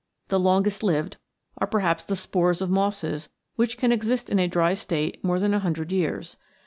The longest lived are perhaps the spores of mosses which can exist in a dry state more than a hundred years.